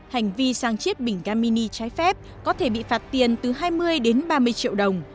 hành vi sang chiết bình ga mini trái phép có thể bị phạt tiền từ hai mươi đến ba mươi triệu đồng